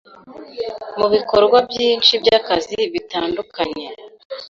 Mubikorwa byinshi byakazi bitandukanye